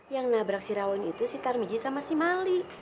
yang nabrak si rawin itu si tarmiji sama si mali